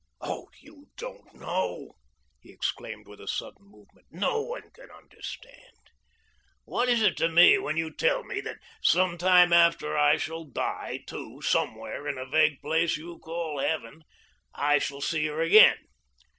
Oh, you don't know," he exclaimed with a sudden movement, "no one can understand. What is it to me when you tell me that sometime after I shall die too, somewhere, in a vague place you call Heaven, I shall see her again?